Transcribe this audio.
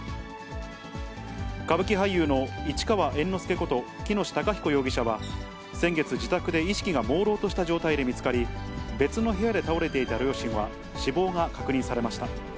歌舞伎俳優の市川猿之助こと喜熨斗孝彦容疑者は、先月、自宅で意識がもうろうとした状態で見つかり、別の部屋で倒れていた両親は、死亡が確認されました。